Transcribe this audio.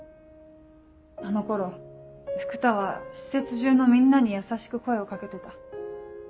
あの頃福多は施設中のみんなに優しく声を掛けてた。